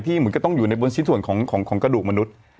เหมือนก็ต้องอยู่ในบนชิ้นส่วนของกระดูกมนุษย์